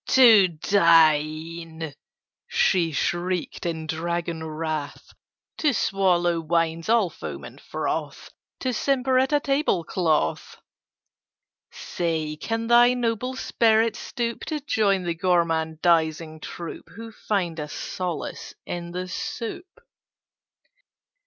"To dine!" she shrieked in dragon wrath. "To swallow wines all foam and froth! To simper at a table cloth! "Say, can thy noble spirit stoop To join the gormandising troup Who find a solace in the soup?